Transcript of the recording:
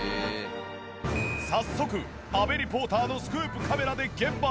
早速阿部リポーターのスクープカメラで現場へ。